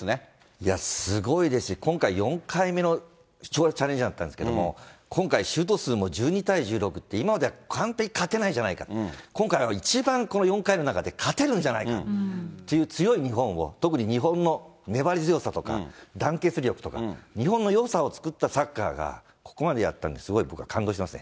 いや、すごいですし、今回、４回目のチャレンジだったんですけど、今回、シュート数も１２対１６って、今では勝てないんじゃないかって、今回は一番この４回の中で、勝てるんじゃないかっていう強い日本を、特に日本の粘り強さとか団結力とか、日本のよさを作ったサッカーが、ここまでやったんで、すごい僕は感動してますね。